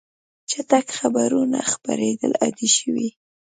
چټک خبرونه خپرېدل عادي شوي.